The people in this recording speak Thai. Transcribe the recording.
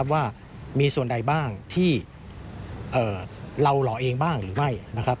ว่ามีส่วนใดบ้างที่เลาเหลาเองบ้างหรือไม่